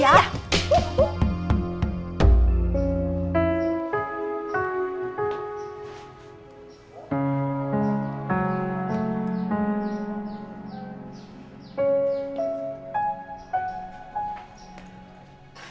laper banget kayaknya